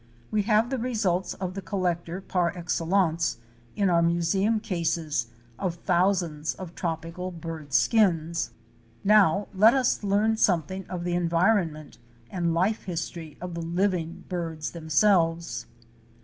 We have the results of the collector, par excellence, in our museum cases of thousands of tropical bird skins. Now let us learn something of the environment and life history of the living birds themselves.